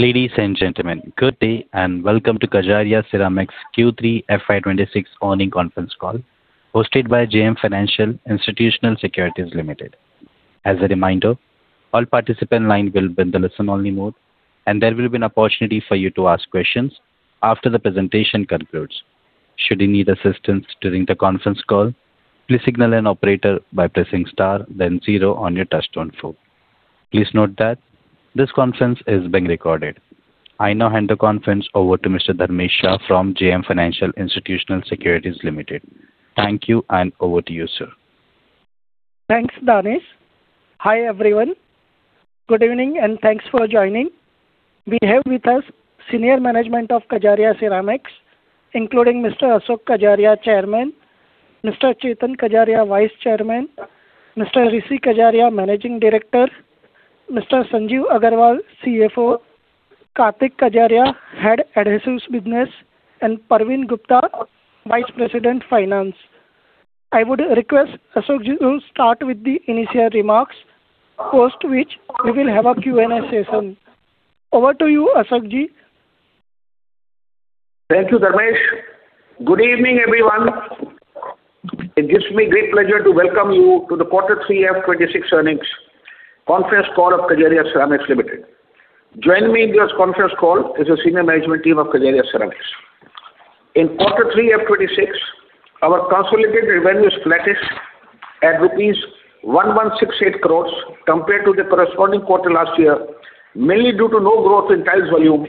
Ladies and gentlemen, good day, and welcome to Kajaria Ceramics Q3 FY26 Earnings Conference Call, hosted by JM Financial Institutional Securities Limited. As a reminder, all participant lines will be in the listen-only mode, and there will be an opportunity for you to ask questions after the presentation concludes. Should you need assistance during the conference call, please signal an operator by pressing star, then zero on your touchtone phone. Please note that this conference is being recorded. I now hand the conference over to Mr. Dharmesh Shah from JM Financial Institutional Securities Limited. Thank you, and over to you, sir. Thanks, Danish. Hi, everyone. Good evening, and thanks for joining. We have with us senior management of Kajaria Ceramics, including Mr. Ashok Kajaria, Chairman, Mr. Chetan Kajaria, Vice Chairman, Mr. Rishi Kajaria, Managing Director, Mr. Sanjeev Agarwal, CFO, Kartik Kajaria, Head Adhesives Business, and Praveen Gupta, Vice President, Finance. I would request Ashokji to start with the initial remarks, post which we will have a Q&A session. Over to you, Ashokji. Thank you, Dharmesh. Good evening, everyone. It gives me great pleasure to welcome you to the Quarter 3 FY26 earnings conference call of Kajaria Ceramics Limited. Joining me in this conference call is the senior management team of Kajaria Ceramics. In quarter 3 FY26, our consolidated revenue is flattish at rupees 1,168 crores compared to the corresponding quarter last year, mainly due to no growth in tiles volume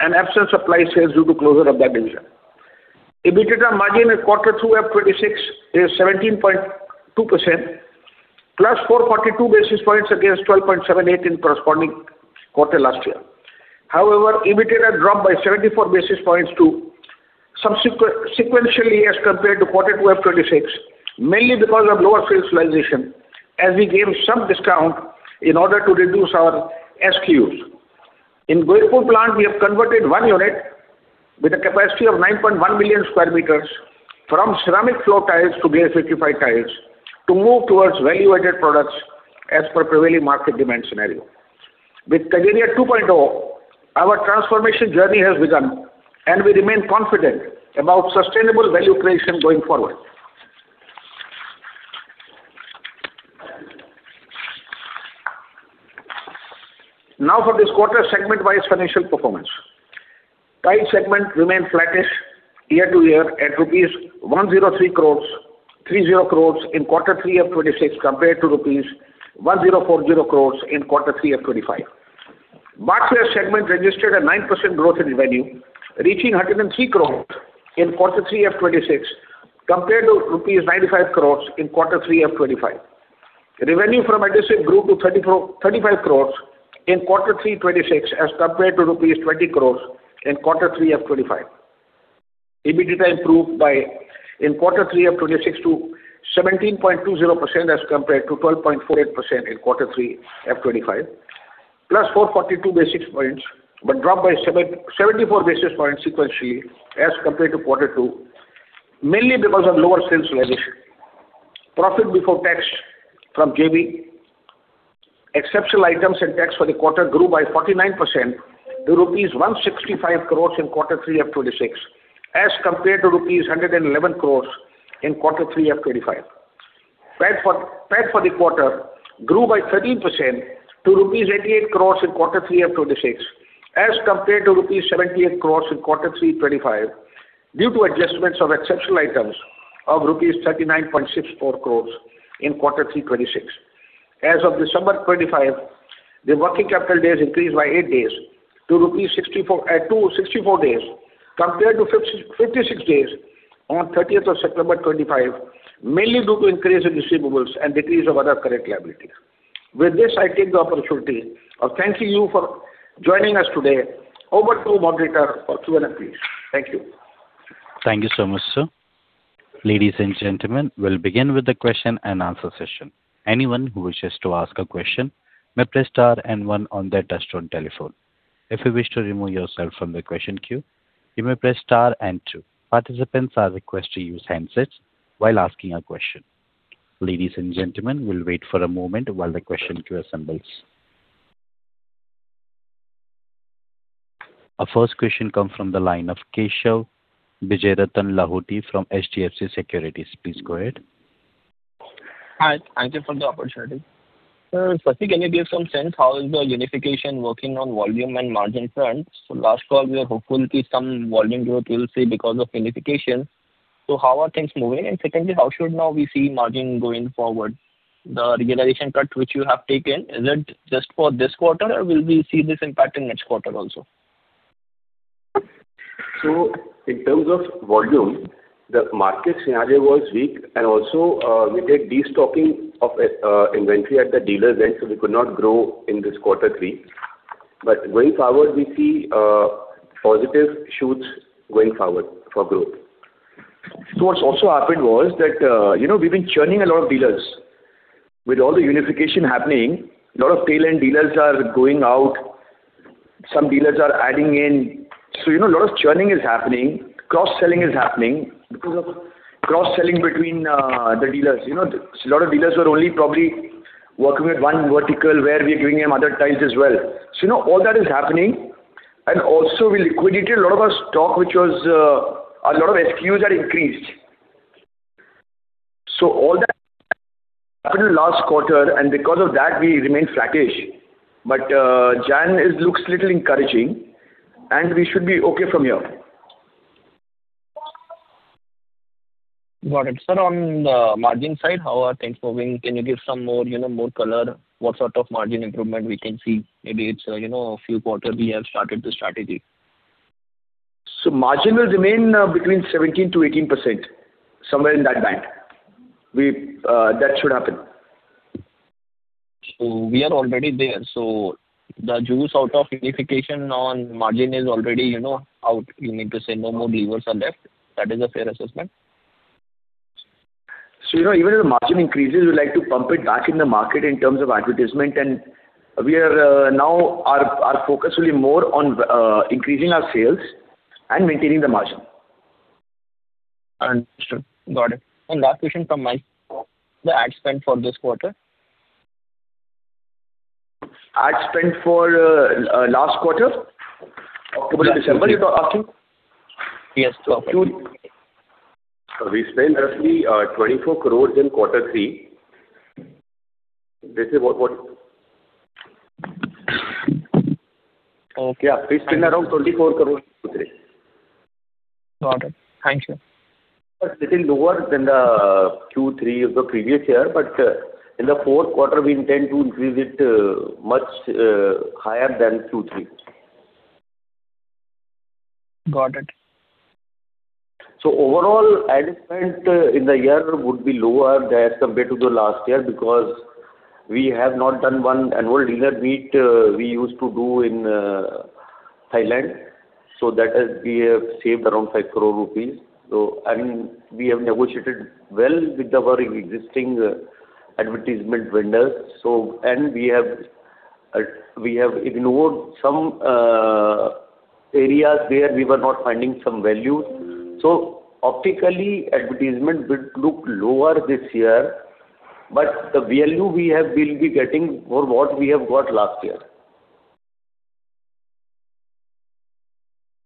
and absence of ply sales due to closure of that division. EBITDA margin in quarter 2 FY26 is 17.2%, +442 basis points against 12.78% in corresponding quarter last year. However, EBITDA dropped by 74 basis points sequentially as compared to quarter 2 FY26, mainly because of lower sales realization, as we gave some discount in order to reduce our SKUs. In Gailpur plant, we have converted one unit with a capacity of 9.1 million square meters from ceramic floor tiles to GVT tiles to move towards value-added products as per prevailing market demand scenario. With Kajaria 2.0, our transformation journey has begun, and we remain confident about sustainable value creation going forward. Now, for this quarter segment by its financial performance. Tile segment remained flattish year-over-year at rupees 1,030 crores in quarter three FY26 compared to rupees 1,040 crores in quarter three FY25. Bathware segment registered a 9% growth in revenue, reaching 103 crores in quarter three FY26, compared to rupees 95 crores in quarter three FY25. Revenue from adhesives grew to 35 crores in quarter three FY26, as compared to rupees 20 crores in quarter three FY25. EBITDA improved by, in quarter 3 FY26 to 17.20% as compared to 12.48% in quarter 3 FY25, +442 basis points, but dropped by 74 basis points sequentially as compared to quarter 2, mainly because of lower sales realization. Profit before tax from JV, exceptional items and tax for the quarter grew by 49% to rupees 165 crores in quarter 3 FY26, as compared to rupees 111 crores in quarter 3 FY25. PAT for the quarter grew by 13% to rupees 88 crores in quarter 3 FY26, as compared to rupees 78 crores in quarter 3 FY25, due to adjustments of exceptional items of rupees 39.64 crores in quarter 3 FY26. As of December 25, 2025, the working capital days increased by 8 days to 64 to 64 days, compared to 56 days on 30th of September 2025, mainly due to increase in receivables and decrease of other current liabilities. With this, I take the opportunity of thanking you for joining us today. Over to moderator for Q&A. Thank you. Thank you so much, sir. Ladies and gentlemen, we'll begin with the question and answer session. Anyone who wishes to ask a question may press star and one on their touchtone telephone. If you wish to remove yourself from the question queue, you may press star and two. Participants are requested to use handsets while asking a question. Ladies and gentlemen, we'll wait for a moment while the question queue assembles. Our first question comes from the line of Keshav Lahoti from HDFC Securities. Please go ahead. Hi, thank you for the opportunity. First, can you give some sense how is the unification working on volume and margin front? So last call, we were hopeful to see some volume growth we'll see because of unification. So how are things moving? And secondly, how should now we see margin going forward? The realization cut, which you have taken, is it just for this quarter, or will we see this impact in next quarter also? So in terms of volume, the market scenario was weak, and also, we did destocking of inventory at the dealer's end, so we could not grow in this quarter three. But going forward, we see positive shoots going forward for growth. So what's also happened was that, you know, we've been churning a lot of dealers. With all the unification happening, a lot of tail-end dealers are going out, some dealers are adding in. So, you know, a lot of churning is happening, cross-selling is happening because of cross-selling between the dealers. You know, a lot of dealers were only probably working with one vertical, where we are giving them other tiles as well. So, you know, all that is happening, and also we liquidated a lot of our stock, which was a lot of SKUs are increased. So that happened last quarter, and because of that, we remained cautious. But, January, it looks little encouraging, and we should be okay from here. Got it. Sir, on the margin side, how are things moving? Can you give some more, you know, more color, what sort of margin improvement we can see? Maybe it's, you know, a few quarter we have started the strategy. Margin will remain between 17%-18%, somewhere in that band. We, that should happen. So we are already there, so the juice out of unification on margin is already, you know, out. You mean to say no more levers are left. That is a fair assessment? You know, even if the margin increases, we like to pump it back in the market in terms of advertisement, and we are now our focus will be more on increasing our sales and maintaining the margin. Understood. Got it. And last question from my end. The ad spend for this quarter? Ad spend for last quarter, October to December, you're asking? Yes, correct. We spent roughly 24 crore in quarter three. This is what, what- Okay. Yeah, we spent around 24 crores Q3. Got it. Thank you. A little lower than the Q3 of the previous year, but in the fourth quarter, we intend to increase it much higher than Q3. Got it. So overall, ad spend in the year would be lower than compared to the last year, because we have not done one annual dealer meet, we used to do in Thailand, so that has—we have saved around 5 crore rupees. So, and we have negotiated well with our existing advertisement vendors, so. And we have ignored some areas where we were not finding some value. So optically, advertisement will look lower this year, but the value we have, we'll be getting more what we have got last year.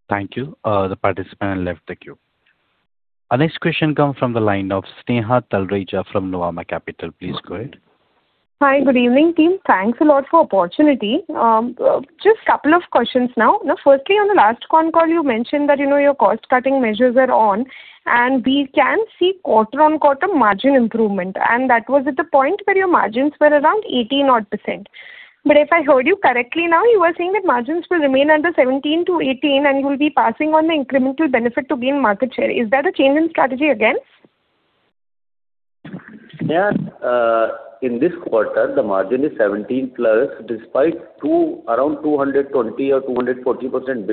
Thank you. The participant left the queue. Our next question comes from the line of Sneha Talreja from Nomura Capital. Please go ahead. Hi, good evening, team. Thanks a lot for opportunity. Just couple of questions now. Now, firstly, on the last concall, you mentioned that, you know, your cost cutting measures are on, and we can see quarter-on-quarter margin improvement, and that was at the point where your margins were around 80-odd%. But if I heard you correctly now, you are saying that margins will remain under 17%-18%, and you will be passing on the incremental benefit to gain market share. Is that a change in strategy again? Yeah, in this quarter, the margin is 17+, despite around 220 or 240%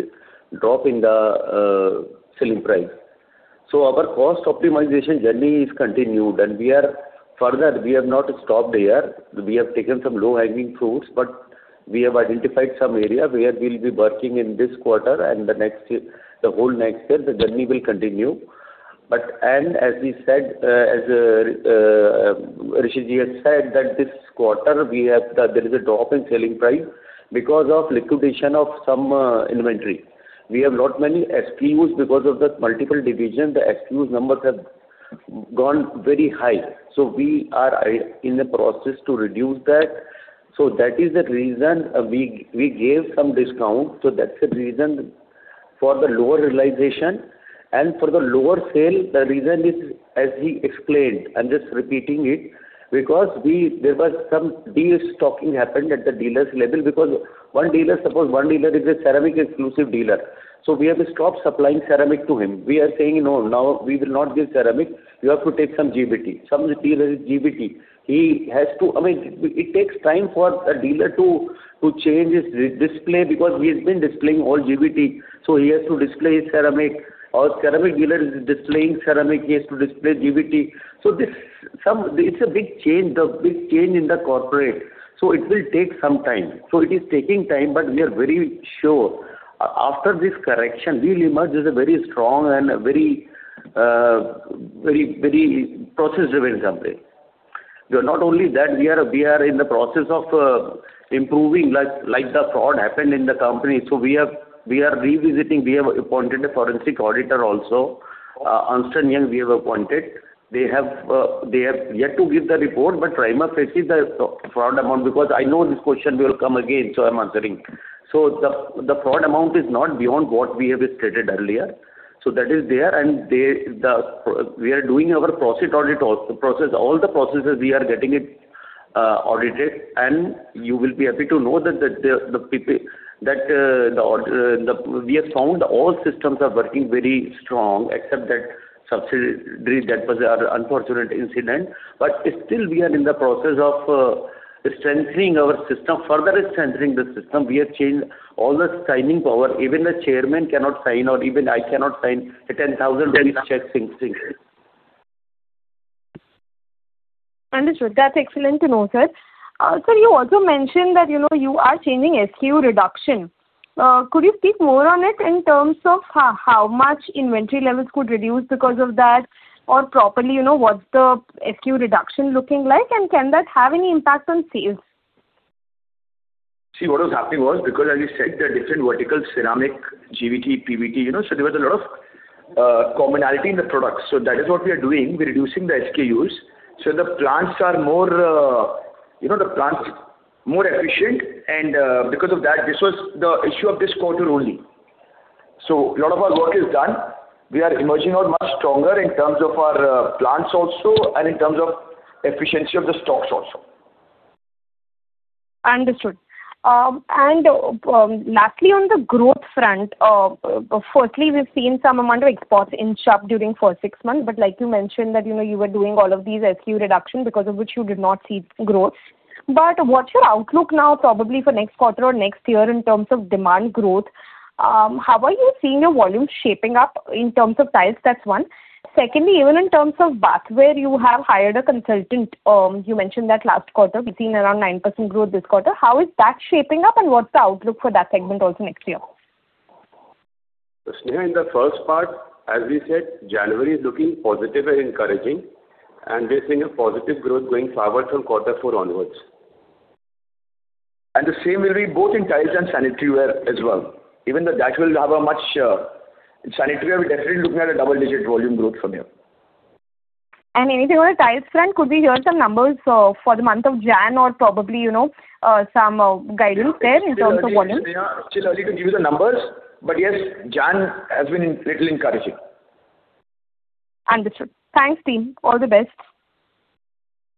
drop in the selling price. So our cost optimization journey is continued, and we are. Further, we have not stopped here. We have taken some low-hanging fruits, but we have identified some area where we'll be working in this quarter and the next year, the whole next year, the journey will continue. But and as we said, as Rishi Ji has said, that this quarter, we have, that there is a drop in selling price because of liquidation of some inventory. We have not many SKUs because of the multiple division, the SKUs numbers have gone very high. So we are in the process to reduce that. So that is the reason, we gave some discount, so that's the reason for the lower realization. And for the lower sale, the reason is, as we explained, I'm just repeating it, because there was some destocking happened at the dealers level, because one dealer, suppose one dealer is a ceramic exclusive dealer, so we have to stop supplying ceramic to him. We are saying, "No, now we will not give ceramic. You have to take some GVT," some material is GVT. He has to... I mean, it takes time for a dealer to change his display because he has been displaying all GVT, so he has to display ceramic. Our ceramic dealer is displaying ceramic, he has to display GVT. So this, it's a big change, the big change in the corporate, so it will take some time. So it is taking time, but we are very sure, after this correction, we will emerge as a very strong and a very, very, very process-driven company. We are not only that, we are, we are in the process of, improving, like, like the fraud happened in the company. So we are, we are revisiting. We have appointed a forensic auditor also, Ernst & Young, we have appointed. They have, they have yet to give the report, but prima facie the fraud amount, because I know this question will come again, so I'm answering. So the, the fraud amount is not beyond what we have stated earlier. So that is there, and they, the, we are doing our process audit, also process, all the processes we are getting it, audited. And you will be happy to know that we have found all systems are working very strong, except that subsidiary, that was an unfortunate incident. But still, we are in the process of strengthening our system, further strengthening the system. We have changed all the signing power. Even the chairman cannot sign or even I cannot sign an 10,000 rupees check, things like this. Understood. That's excellent to know, sir. Sir, you also mentioned that, you know, you are changing SKU reduction. Could you speak more on it in terms of how, how much inventory levels could reduce because of that? Or properly, you know, what's the SKU reduction looking like, and can that have any impact on sales? See, what was happening was, because as you said, the different vertical ceramic, GVT, PVT, you know, so there was a lot of commonality in the products. So that is what we are doing. We're reducing the SKUs, so the plants are more, you know, the plants more efficient, and because of that, this was the issue of this quarter only. So a lot of our work is done. We are emerging out much stronger in terms of our plants also, and in terms of efficiency of the stocks also. Understood. And lastly, on the growth front, firstly, we've seen some amount of exports inch up during first six months, but like you mentioned, that, you know, you were doing all of these SKU reduction because of which you did not see growth. But what's your outlook now, probably for next quarter or next year in terms of demand growth? How are you seeing your volume shaping up in terms of tiles? That's one. Secondly, even in terms of bathware, you have hired a consultant, you mentioned that last quarter, we've seen around 9% growth this quarter. How is that shaping up, and what's the outlook for that segment also next year? Sneha, in the first part, as we said, January is looking positive and encouraging, and we're seeing a positive growth going forward from quarter four onwards. The same will be both in tiles and sanitaryware as well. Even though that will have a much. In sanitaryware, we're definitely looking at a double-digit volume growth from here. Anything on the tiles front, could we hear some numbers for the month of January or probably, you know, some guidance there in terms of volume? It's still early to give you the numbers, but yes, January has been a little encouraging. Understood. Thanks, team. All the best.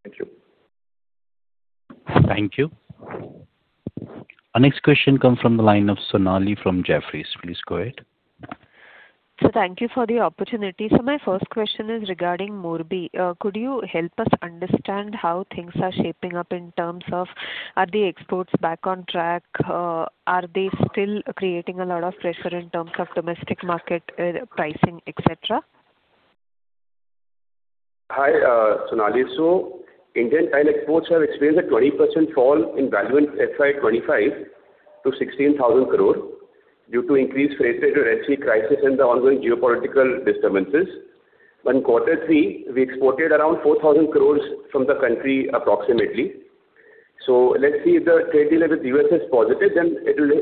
Thank you. Thank you. Our next question comes from the line of Sonali from Jefferies. Please go ahead. Sir, thank you for the opportunity. My first question is regarding Morbi. Could you help us understand how things are shaping up in terms of, are the exports back on track? Are they still creating a lot of pressure in terms of domestic market, pricing, et cetera? Hi, Sonali. So Indian tile exports have experienced a 20% fall in value in FY 2025 to 16,000 crore due to increased freight rate and Red Sea crisis and the ongoing geopolitical disturbances. In quarter three, we exported around 4,000 crore from the country, approximately. So let's see if the trade deal with U.S. is positive, then it will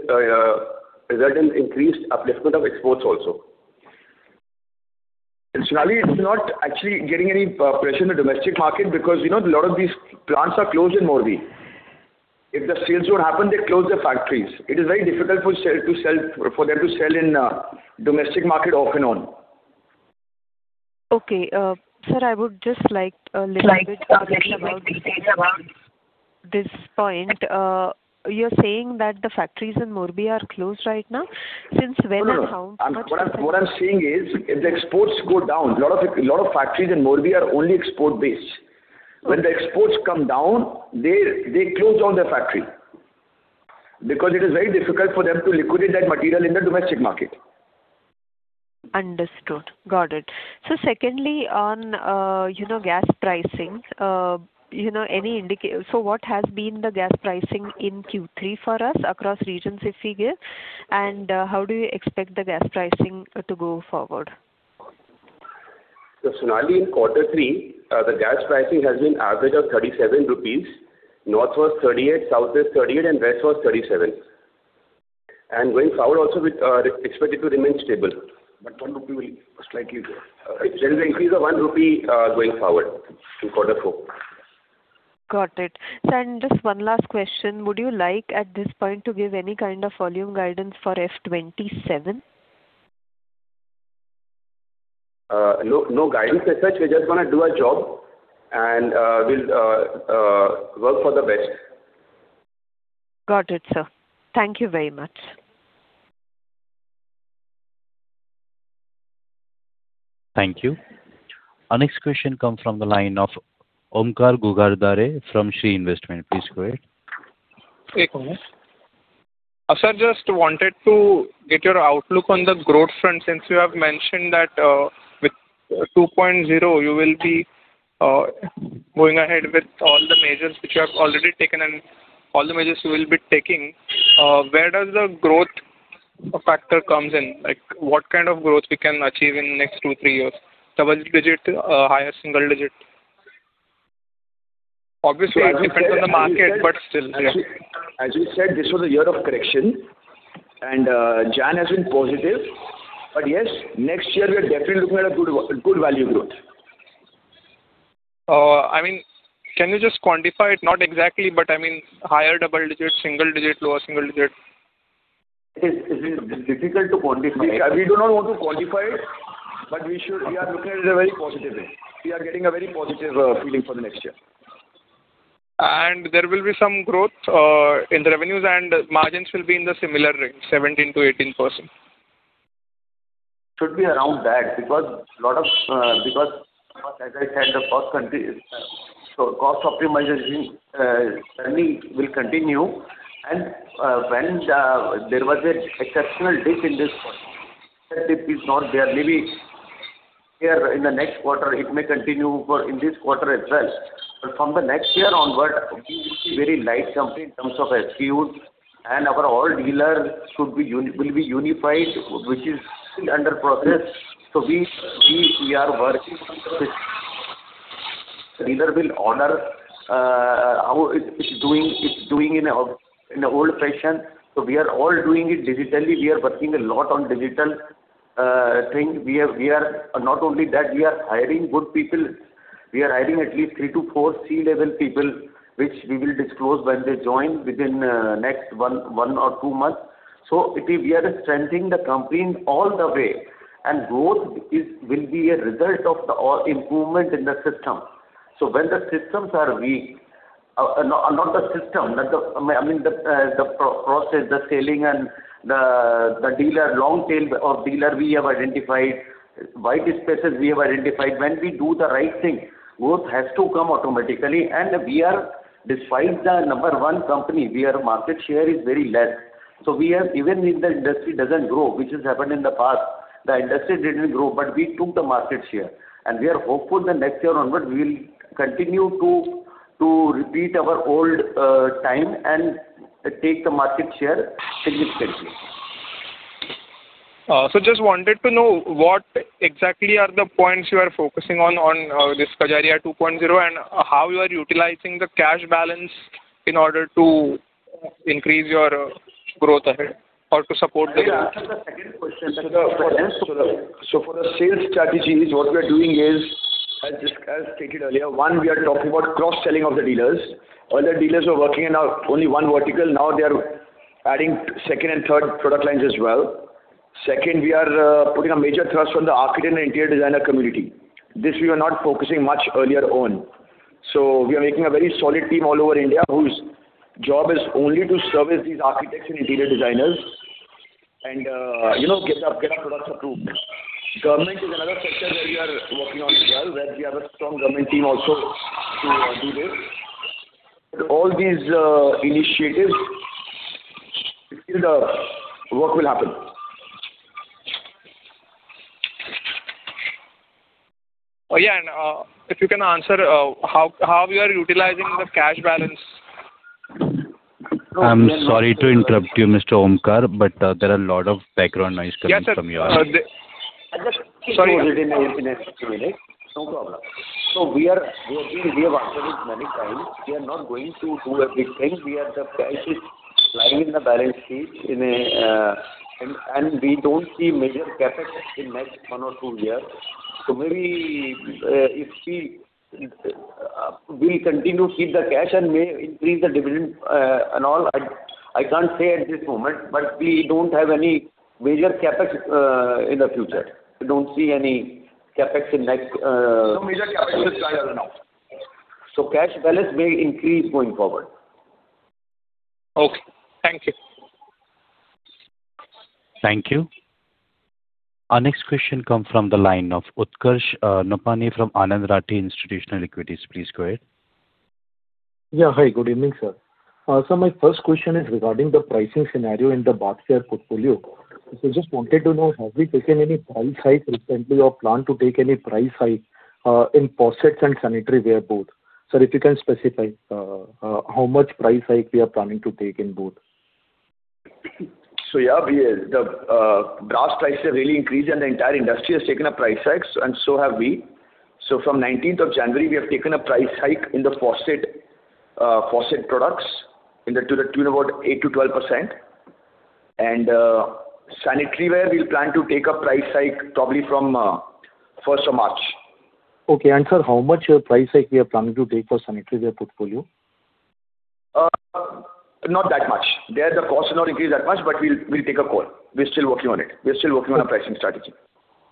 result in increased upliftment of exports also. And Sonali, it's not actually getting any pressure in the domestic market, because, you know, a lot of these plants are closed in Morbi. If the sales don't happen, they close the factories. It is very difficult for them to sell in domestic market, off and on. Okay, sir, I would just like a little bit about this point. You're saying that the factories in Morbi are closed right now? Since when and how much- No, what I'm saying is, if the exports go down, a lot of factories in Morbi are only export-based. Okay. When the exports come down, they, they close down their factory because it is very difficult for them to liquidate that material in the domestic market. Understood. Got it. So secondly, on, you know, gas pricing, you know, So what has been the gas pricing in Q3 for us across regions, if we get? And, how do you expect the gas pricing to go forward? So Sonali, in quarter three, the gas pricing has been average of 37 rupees. North was 38, South was 38, and West was 37. Going forward also, we expect it to remain stable, but there's an increase of 1 rupee, going forward in quarter four. Got it. Sir, and just one last question: Would you like, at this point, to give any kind of volume guidance for FY 2027? No, no guidance as such. We're just gonna do our job, and we'll work for the best. Got it, sir. Thank you very much. Thank you. Our next question comes from the line of Omkar Ghugardare from Shree Investments. Please go ahead. Sir, just wanted to get your outlook on the growth front, since you have mentioned that, with 2.0, you will be going ahead with all the measures which you have already taken and all the measures you will be taking. Where does the growth factor comes in? Like, what kind of growth we can achieve in next 2-3 years? Double-digit, higher single-digit. Obviously, it depends on the market, but still, yeah. As you said, this was a year of correction, and January has been positive. But yes, next year we are definitely looking at a good value growth. I mean, can you just quantify it? Not exactly, but I mean, higher double digits, single digit, lower single digit. It is, it is difficult to quantify. We do not want to quantify it, but we should. We are looking at it in a very positive way. We are getting a very positive feeling for the next year. There will be some growth in the revenues, and margins will be in the similar range, 17%-18%. Should be around that, because, as I said, cost optimization certainly will continue, and when there was an exceptional dip in this quarter. It is not barely. We here in the next quarter, it may continue for in this quarter as well. But from the next year onward, we will be very light company in terms of SKUs, and our all dealers will be unified, which is still under process. So we are working on the system. Dealer will no honor how it is doing in an old fashion. So we are all doing it digitally. We are working a lot on digital thing. We are not only that, we are hiring good people. We are hiring at least 3-4 C-level people, which we will disclose when they join within next 1 or 2 months. So it is we are strengthening the company all the way, and growth is, will be a result of the all improvement in the system. So when the systems are weak, not the system, but the, I mean, the process, the selling and the, the dealer, long tail of dealer, we have identified, white spaces we have identified. When we do the right thing, growth has to come automatically, and we are despite the number one company, we are market share is very less. So we are, even if the industry doesn't grow, which has happened in the past, the industry didn't grow, but we took the market share. And we are hopeful that next year onward, we will continue to, to repeat our old time and take the market share significantly. Just wanted to know what exactly are the points you are focusing on this Kajaria 2.0, and how you are utilizing the cash balance in order to increase your growth ahead or to support the- Answer the second question. For the sales strategies, what we are doing is, as stated earlier, one, we are talking about cross-selling of the dealers. Earlier, dealers were working in only one vertical, now they are adding second and third product lines as well. Second, we are putting a major thrust on the architect and interior designer community. This we were not focusing much earlier on. So we are making a very solid team all over India, whose job is only to service these architects and interior designers, and you know, get our products approved. Government is another sector where we are working on as well, where we have a strong government team also to do this. All these initiatives is the work will happen. Yeah, if you can answer how you are utilizing the cash balance? I'm sorry to interrupt you, Mr. Omkar, but, there are a lot of background noise coming from your end. Yeah, sir. Sorry, no problem. So we have answered it many times. We are not going to do a big thing. We have the cash lying in the balance sheet, and we don't see major CapEx in next one or two years. So maybe if we, we'll continue to keep the cash and may increase the dividend, and all. I can't say at this moment, but we don't have any major CapEx in the future. We don't see any CapEx in next- No major CapEx is planned right now. Cash balance may increase going forward. Okay. Thank you. Thank you. Our next question come from the line of Utkarsh Nopany from Anand Rathi Institutional Equities. Please go ahead. Yeah, hi, good evening, sir. So my first question is regarding the pricing scenario in the bathware portfolio. So just wanted to know, have we taken any price hike recently or plan to take any price hike in faucets and sanitaryware both? Sir, if you can specify how much price hike we are planning to take in both. Yeah, we, the brass prices have really increased, and the entire industry has taken a price hike, and so have we. From nineteenth of January, we have taken a price hike in the faucet, faucet products to about 8%-12%. Sanitaryware, we plan to take a price hike probably from first of March. Okay, and sir, how much your price hike we are planning to take for sanitaryware portfolio? Not that much. There, the costs are not increased that much, but we'll take a call. We're still working on it. We're still working on a pricing strategy.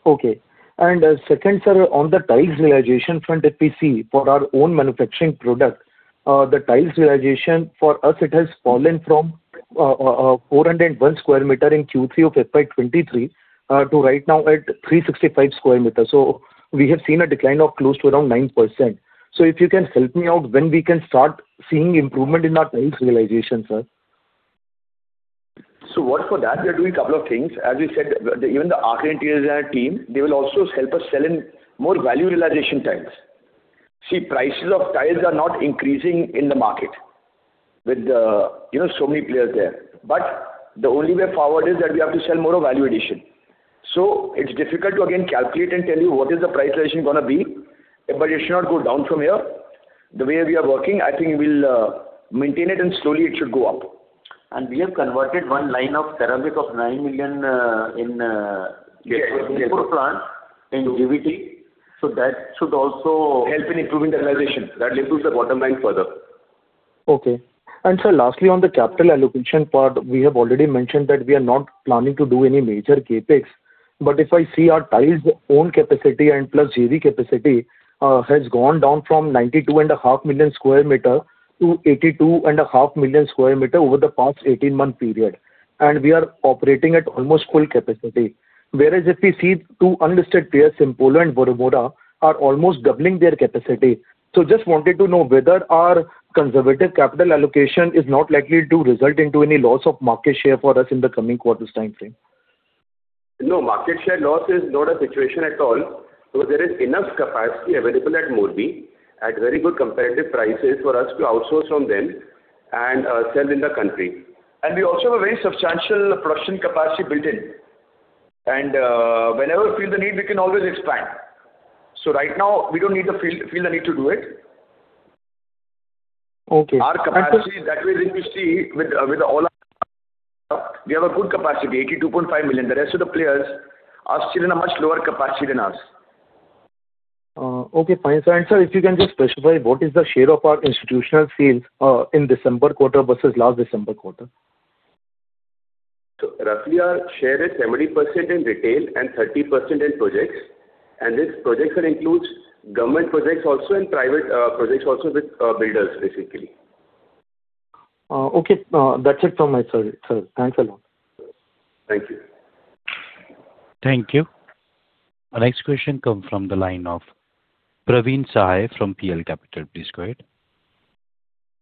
Okay. And, second, sir, on the tiles realization front, if we see, for our own manufacturing product, the tiles realization for us, it has fallen from 401 sq m in Q3 of FY 2023 to right now at 365 sq m. So we have seen a decline of close to around 9%. So if you can help me out, when we can start seeing improvement in our tiles realization, sir? So work for that, we are doing a couple of things. As we said, even the architect, interior designer team, they will also help us sell in more value realization tiles. See, prices of tiles are not increasing in the market with, you know, so many players there. But the only way forward is that we have to sell more of value addition. So it's difficult to again calculate and tell you what is the price realization gonna be, but it should not go down from here. The way we are working, I think we'll maintain it and slowly it should go up. We have converted one line of ceramic of 9 million, Yes. In plants, in GVT. So that should also- Help in improving the realization. That will boost the bottom line further. Okay. Sir, lastly, on the capital allocation part, we have already mentioned that we are not planning to do any major CapEx, but if I see our tiles own capacity and plus GVT capacity, has gone down from 92.5 million square meter to 82.5 million square meter over the past 18-month period, and we are operating at almost full capacity. Whereas if we see two unlisted players, Simpolo and Varmora, are almost doubling their capacity. So just wanted to know whether our conservative capital allocation is not likely to result into any loss of market share for us in the coming quarters time frame? No, market share loss is not a situation at all, because there is enough capacity available at Morbi at very good competitive prices for us to outsource from them and, sell in the country. And we also have a very substantial production capacity built in, and, whenever we feel the need, we can always expand. So right now, we don't need to feel, feel the need to do it. Okay. Our capacity, that way, if you see with all our, we have a good capacity, 82.5 million. The rest of the players are still in a much lower capacity than us. Okay, fine, sir. And sir, if you can just specify, what is the share of our institutional sales in December quarter versus last December quarter? Roughly, our share is 70% in retail and 30% in projects, and this projects includes government projects also and private projects also with builders, basically. Okay, that's it from my side, sir. Thanks a lot. Thank you. Thank you. Our next question comes from the line of Praveen Sahay from PL Capital. Please go ahead.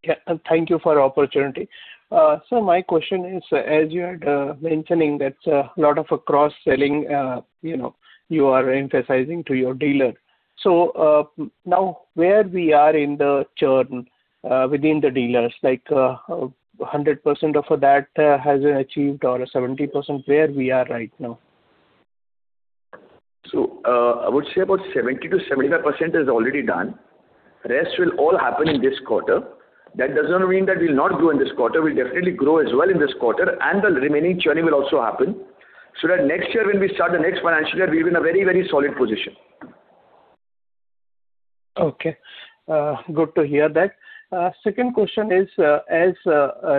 Yeah, thank you for the opportunity. So my question is, as you are mentioning, that lot of cross-selling, you know, you are emphasizing to your dealer. So, now, where we are in the churn within the dealers? Like, 100% of that has been achieved or 70%, where we are right now? So, I would say about 70%-75% is already done. Rest will all happen in this quarter. That does not mean that we'll not grow in this quarter. We'll definitely grow as well in this quarter, and the remaining churning will also happen, so that next year, when we start the next financial year, we'll be in a very, very solid position. Okay. Good to hear that. Second question is, as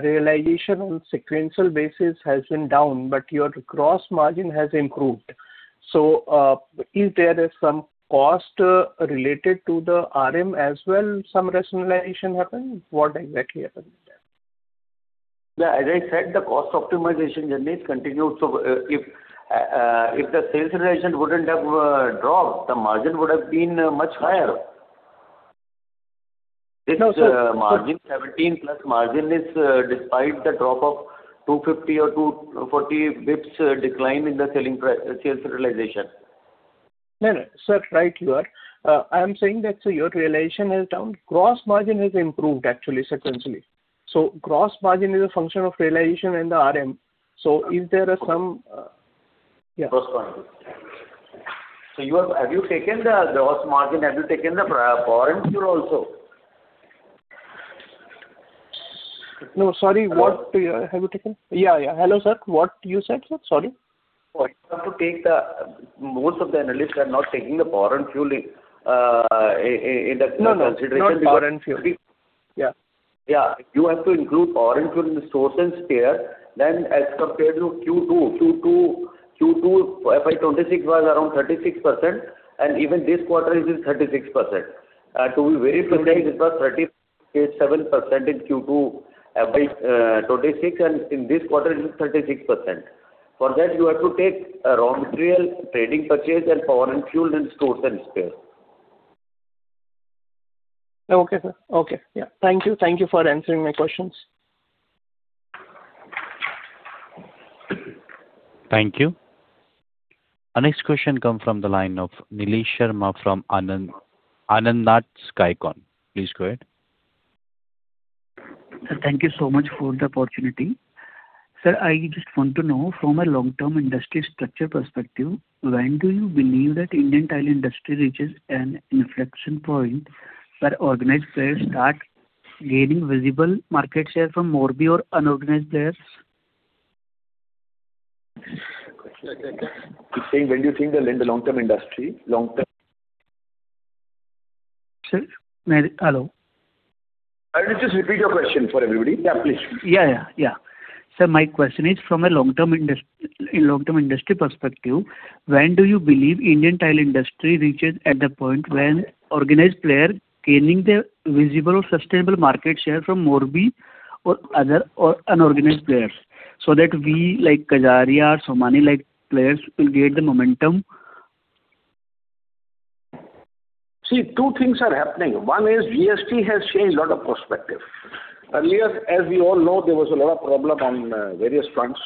realization on sequential basis has been down, but your gross margin has improved. So, is there some cost related to the RM as well, some rationalization happened? What exactly happened there? Yeah, as I said, the cost optimization journey continued. So, if the sales realization wouldn't have dropped, the margin would have been much higher. No, sir. This margin, 17-plus margin is, despite the drop of 250 or 240 basis points decline in the selling price, sales realization. No, no. Sir, right you are. I am saying that, so your realization is down. Gross margin has improved actually sequentially. So gross margin is a function of realization and the RM. So is there some, Yeah. So have you taken the gross margin? Have you taken the power and fuel also? No, sorry, what have you taken? Yeah, yeah. Hello, sir, what you said, sir? Sorry. You have to take the... Most of the analysts are not taking the power and fuel in the consideration. No, no. Not power and fuel. Yeah. Yeah. You have to include power and fuel in the stores and spare, then as compared to Q2, FY26 was around 36%, and even this quarter it is 36%. To be very precise, it was 37% in Q2, FY26, and in this quarter, it is 36%. For that, you have to take raw material, trading purchase and power and fuel and stores and spare. Okay, sir. Okay, yeah. Thank you. Thank you for answering my questions. Thank you. Our next question come from the line of Nilesh Sharma from Anand Rathi Institutional Equities. Please go ahead. Sir, thank you so much for the opportunity. Sir, I just want to know, from a long-term industry structure perspective, when do you believe that Indian tile industry reaches an inflection point where organized players start gaining visible market share from Morbi or unorganized players? He's saying, when do you think they'll end the long-term industry, long-term? Sir, hello? Just repeat your question for everybody. Yeah, please. Yeah, yeah, yeah. Sir, my question is from a long-term industry perspective, when do you believe Indian tile industry reaches at the point when organized player gaining the visible or sustainable market share from Morbi or other or unorganized players, so that we, like Kajaria or Somany like players, will get the momentum? See, two things are happening. One is GST has changed a lot of perspective. Earlier, as you all know, there was a lot of problem on various fronts.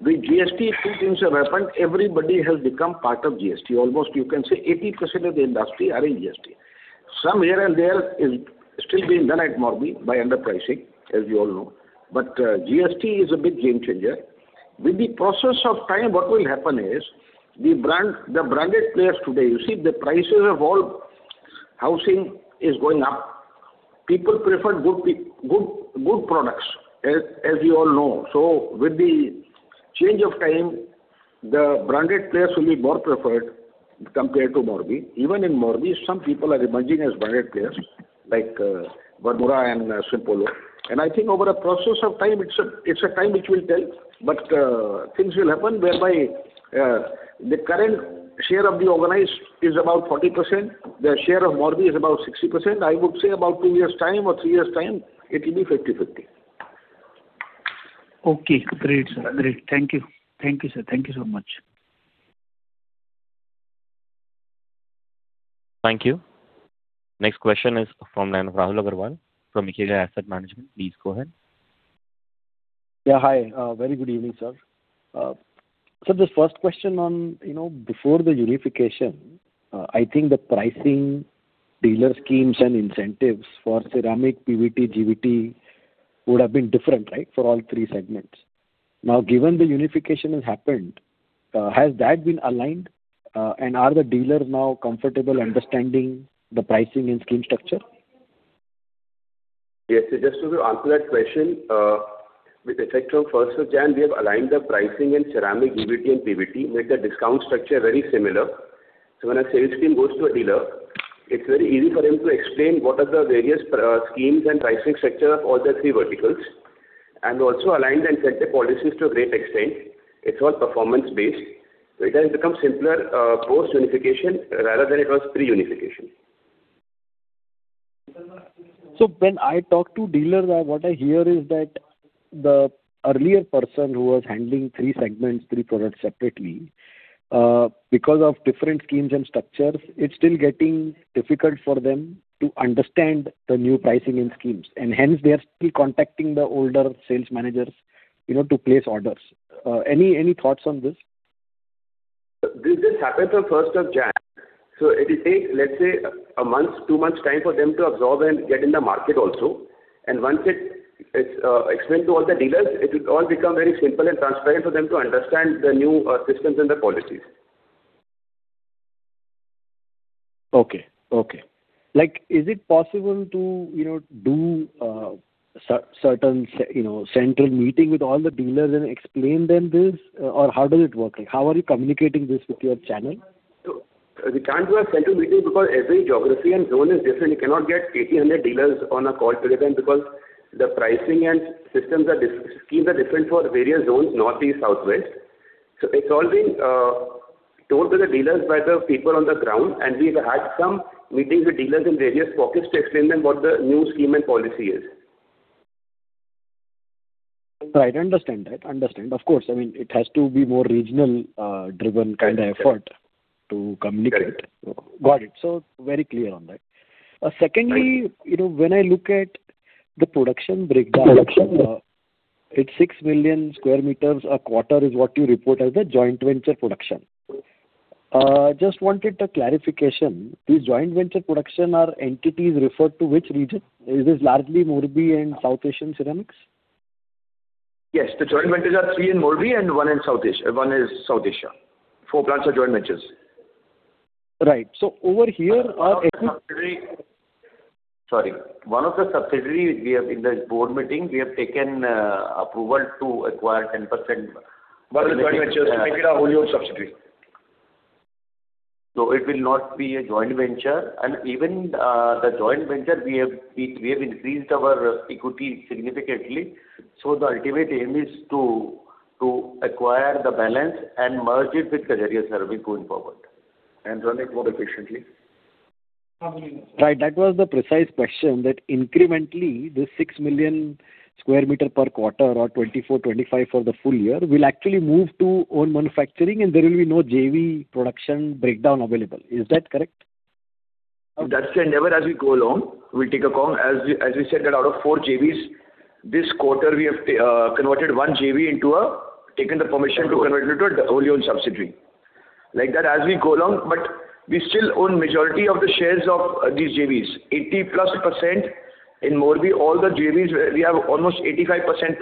With GST, two things have happened: Everybody has become part of GST. Almost, you can say, 80% of the industry are in GST. Some here and there is still being done at Morbi by underpricing, as you all know. But, GST is a big game changer. With the process of time, what will happen is, the brand, the branded players today, you see, the prices of all housing is going up. People prefer good p- good, good products, as, as you all know. So with the change of time, the branded players will be more preferred compared to Morbi. Even in Morbi, some people are emerging as branded players, like, Varmora and Simpolo. I think over a process of time, it's a time which will tell, but things will happen whereby the current share of the organized is about 40%, the share of Morbi is about 60%. I would say about 2 years time or 3 years time, it will be 50/50. Okay, great, sir. Great. Thank you. Thank you, sir. Thank you so much. Thank you. Next question is from Rahul Agarwal from Ikigai Asset Management. Please go ahead. Yeah. Hi, very good evening, sir. So the first question on, you know, before the unification, I think the pricing, dealer schemes and incentives for ceramic, PVT, GVT, would have been different, right, for all three segments. Now, given the unification has happened, has that been aligned, and are the dealers now comfortable understanding the pricing and scheme structure? Yes. So just to answer that question, with effect from first of January, we have aligned the pricing in ceramic, GVT, and PVT, made the discount structure very similar. So when a sales team goes to a dealer, it's very easy for him to explain what are the various, schemes and pricing structure of all the three verticals, and also aligned and set the policies to a great extent. It's all performance-based. So it has become simpler, post-unification rather than it was pre-unification. So when I talk to dealers, what I hear is that the earlier person who was handling three segments, three products separately, because of different schemes and structures, it's still getting difficult for them to understand the new pricing and schemes, and hence they are still contacting the older sales managers, you know, to place orders. Any thoughts on this? This just happened on first of January, so it will take, let's say, a month, two months time for them to absorb and get in the market also. And once it, it's, explained to all the dealers, it will all become very simple and transparent for them to understand the new, systems and the policies. Okay, okay. Like, is it possible to, you know, do certain, you know, central meeting with all the dealers and explain them this? Or how does it work? How are you communicating this with your channel? So we can't do a central meeting because every geography and zone is different. You cannot get 1,800 dealers on a call today, because the pricing and schemes are different for various zones, Northeast, Southwest. So it's all been told to the dealers by the people on the ground, and we've had some meetings with dealers in various pockets to explain them what the new scheme and policy is. I understand that. Understand. Of course, I mean, it has to be more regional, driven kind of effort to communicate. Correct. Got it. So very clear on that. Secondly, you know, when I look at the production breakdown, it's 6 million square meters a quarter, is what you report as the joint venture production. Just wanted a clarification. These joint venture production are entities referred to which region? Is this largely Morbi and South Asian Ceramics? Yes, the joint ventures are three in Morbi and one in South Asian Ceramics, one is South Asian Ceramics. Four plants are joint ventures. Right. So over here are. Sorry. One of the subsidiary, we have in the board meeting, we have taken, approval to acquire 10%- But the joint ventures make it our wholly owned subsidiary. So it will not be a joint venture, and even the joint venture, we have increased our equity significantly. So the ultimate aim is to acquire the balance and merge it with Kajaria Ceramics going forward. Run it more efficiently. Right. That was the precise question, that incrementally, this 6 million square meters per quarter or 24-25 for the full year, will actually move to own manufacturing and there will be no JV production breakdown available. Is that correct? That's the endeavor as we go along. We'll take along. As we, as we said, that out of 4 JVs, this quarter, we have converted one JV into a—taken the permission to convert it to a wholly owned subsidiary. Like that, as we go along, but we still own majority of the shares of these JVs. 80+% in Morbi, all the JVs, we have almost 85%+,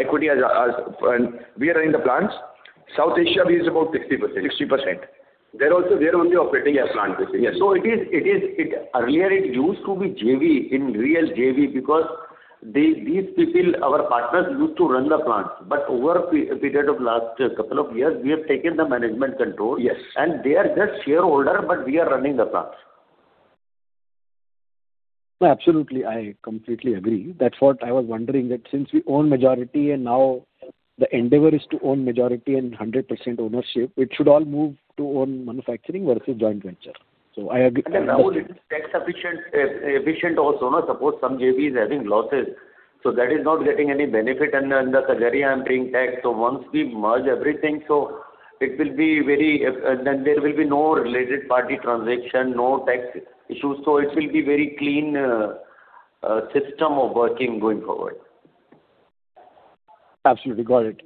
equity as, and we are running the plants. South Asia, we use about 60%. 60%. There also, they're only operating our plant. Yes. So it is. Earlier, it used to be JV, a real JV, because these people, our partners, used to run the plants. But over a period of the last couple of years, we have taken the management control. Yes. They are just shareholder, but we are running the plants. Absolutely. I completely agree. That's what I was wondering, that since we own majority, and now the endeavor is to own majority and 100% ownership, it should all move to own manufacturing versus joint venture. So I agree. And then Rahul, it's tax sufficient, efficient also. Now suppose some JV is having losses, so that is not getting any benefit under Kajaria entity tax. So once we merge everything, so it will be very, then there will be no related party transaction, no tax issues, so it will be very clean, system of working going forward. Absolutely. Got it.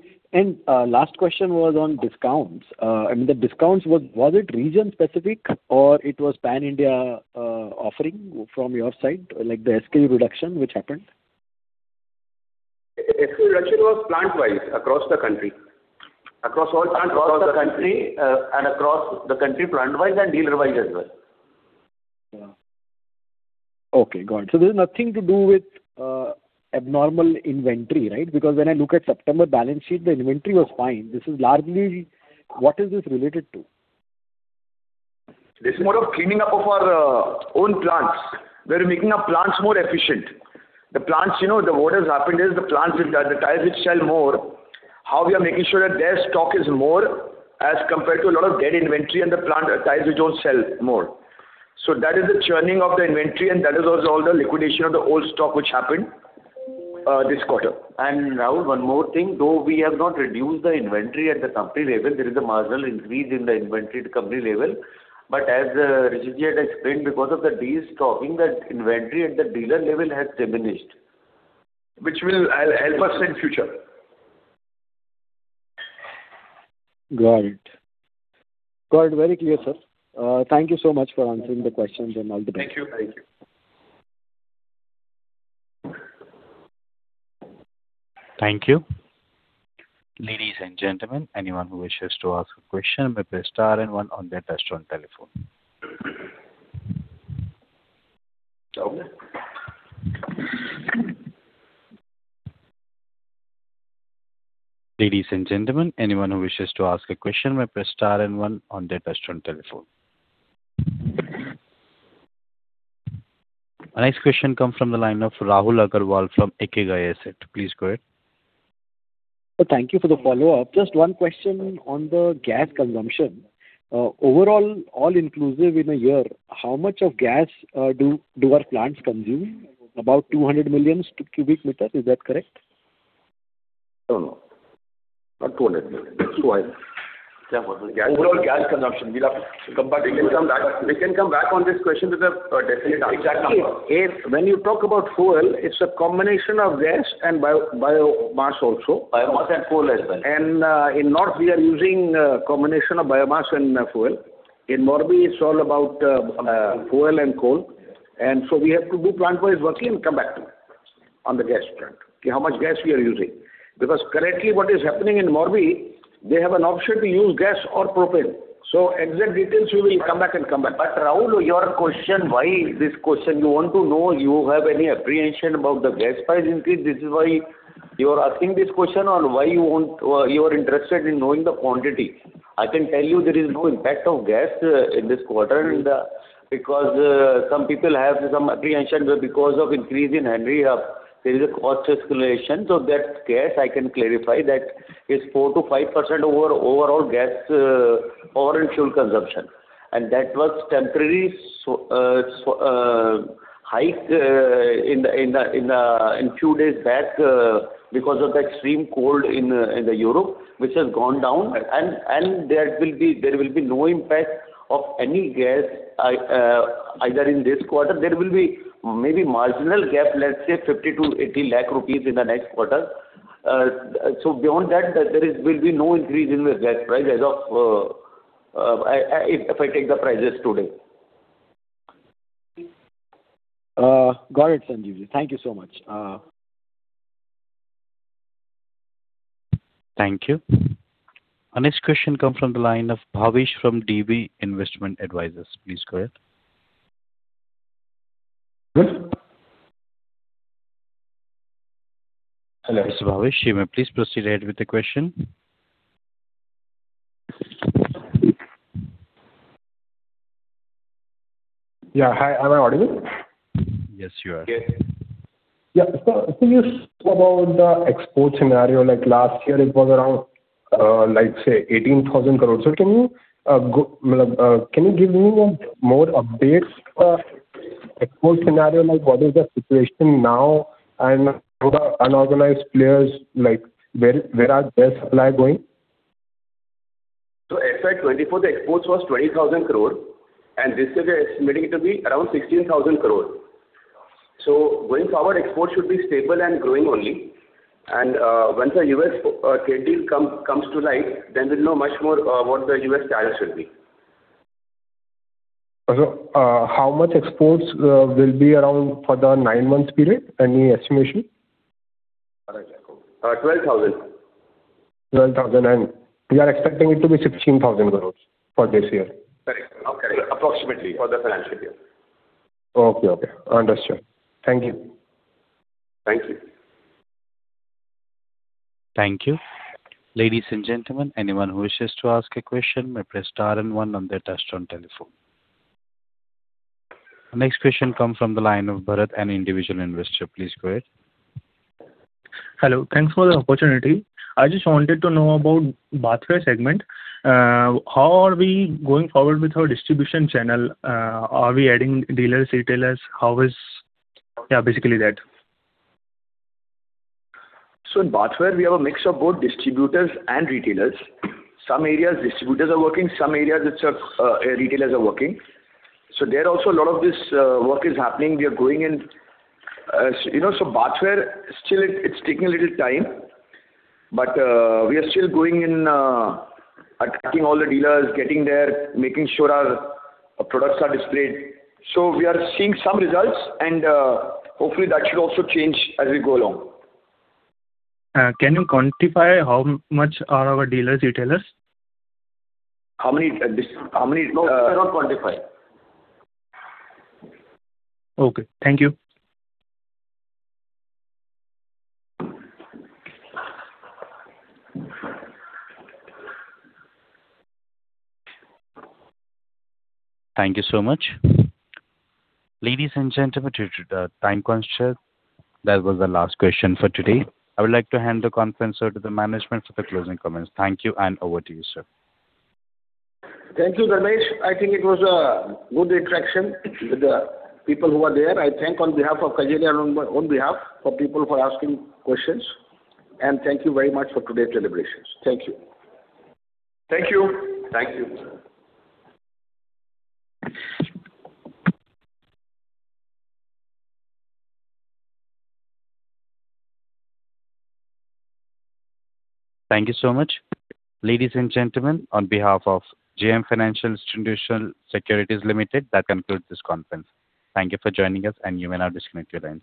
Last question was on discounts. I mean, the discounts, was it region-specific or it was pan-India offering from your side, like the SKU reduction which happened? SKU reduction was plant-wise, across the country. Across all plants, across the country, and across the country, plant-wise and dealer-wise as well. Yeah. Okay, got it. So there's nothing to do with abnormal inventory, right? Because when I look at September balance sheet, the inventory was fine. This is largely, what is this related to? This is more of cleaning up of our own plants. We're making our plants more efficient. The plants, you know, what has happened is, the plants, the tiles which sell more, how we are making sure that their stock is more as compared to a lot of dead inventory and the plant, tiles which don't sell more. So that is the churning of the inventory, and that is also all the liquidation of the old stock which happened this quarter. And now one more thing, though we have not reduced the inventory at the company level, there is a marginal increase in the inventory at company level. But as, Rishi ji had explained, because of the de-stocking, that inventory at the dealer level has diminished, which will help us in future. Got it. Got it. Very clear, sir. Thank you so much for answering the questions and all the best. Thank you. Thank you. Thank you. Ladies and gentlemen, anyone who wishes to ask a question may press star and one on their touchtone telephone. Ladies and gentlemen, anyone who wishes to ask a question may press star and one on their touchtone telephone. The next question comes from the line of Rahul Agarwal from Ikigai Asset Management. Please go ahead. Sir, thank you for the follow-up. Just one question on the gas consumption. Overall, all inclusive in a year, how much of gas do our plants consume? About 200 million cubic meter. Is that correct? No, no. Not 200 million. Overall gas consumption, we'll have to come back. We can come back on this question with a definite, exact number. If, if when you talk about fuel, it's a combination of gas and biomass also. Biomass and coal as well. And in North, we are using a combination of biomass and fuel. In Morbi, it's all about fuel and coal. And so we have to do plant-wise working and come back to you on the gas plant, how much gas we are using. Because currently, what is happening in Morbi, they have an option to use gas or propane. So exact details, we will come back and come back. But, Rahul, your question, why this question? You want to know, you have any apprehension about the gas price increase? This is why you are asking this question or why you want... You are interested in knowing the quantity. I can tell you there is no impact of gas in this quarter, and because some people have some apprehension that because of increase in Henry Hub, there is a cost escalation. So that gas, I can clarify, that is 4%-5% over overall gas or in fuel consumption. And that was temporary hike in a few days back because of the extreme cold in Europe, which has gone down. And there will be no impact of any gas either in this quarter. There will be maybe marginal gap, let's say 50 lakh-80 lakh rupees in the next quarter. So, beyond that, there will be no increase in the gas price as of, if I take the prices today. Got it, Sanjeev Thank you so much. Thank you. Our next question comes from the line of Bhavesh from IDBI Capital. Please go ahead. Good. Hello, Sir Bhavesh, you may please proceed ahead with the question. Yeah. Hi, am I audible? Yes, you are. Yeah. Yeah, so can you speak about the export scenario, like last year it was around, like, say, 18,000 crore. So can you, go, can you give me more updates of export scenario, like what is the situation now and all the unorganized players, like, where, where are their supply going? So FY 2024, the exports was 20,000 crore, and this year we are estimating it to be around 16,000 crore. So going forward, exports should be stable and growing only. And, once the US trade deal come, comes to light, then we'll know much more, what the US tariffs should be. How much exports will be around for the nine months period? Any estimation? 12,000. 12,000 crore, and we are expecting it to be 16,000 crore for this year. Correct. Approximately for the financial year. Okay. Okay, I understand. Thank you. Thank you. Thank you. Ladies and gentlemen, anyone who wishes to ask a question may press star and one on their touchtone telephone. Next question comes from the line of Bharat, an individual investor. Please go ahead. Hello. Thanks for the opportunity. I just wanted to know about bathware segment. How are we going forward with our distribution channel? Are we adding dealers, retailers? How is. Yeah, basically that. So in bathware, we have a mix of both distributors and retailers. Some areas, distributors are working, some areas it's retailers are working. So there also a lot of this work is happening. We are going in, you know, so bathware, still it, it's taking a little time, but we are still going in, attracting all the dealers, getting there, making sure our products are displayed. So we are seeing some results, and hopefully, that should also change as we go along. Can you quantify how much are our dealers, retailers? How many, how many, no, we cannot quantify. Okay. Thank you. Thank you so much. Ladies and gentlemen, due to the time constraint, that was the last question for today. I would like to hand the conference over to the management for the closing comments. Thank you, and over to you, sir. Thank you, Danish. I think it was a good interaction with the people who are there. I thank on behalf of Kajaria, on my own behalf, for people for asking questions, and thank you very much for today's celebrations. Thank you. Thank you. Thank you. Thank you so much. Ladies and gentlemen, on behalf of JM Financial Institutional Securities Limited, that concludes this conference. Thank you for joining us, and you may now disconnect your lines.